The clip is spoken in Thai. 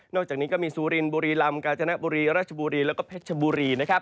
นอกจากนี้ก็มีซูรินบุรีลำกาจนะบุรีราชบุรีแล้วก็เพชบุรี